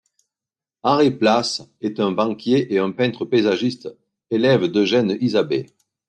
Henri Place est un banquier et un peintre paysagiste, élève d'Eugène Isabey.